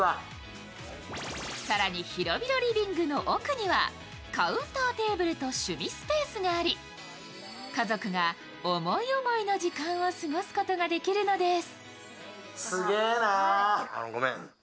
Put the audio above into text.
更に広々リビングの奥にはカウンターテーブルと趣味スペースがあり家族が思い思いの時間を過ごすことができるのです。